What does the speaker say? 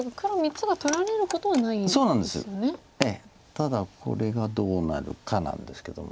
ただこれがどうなるかなんですけども。